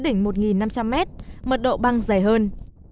đỉnh một năm trăm linh mét mật độ băng dày hơn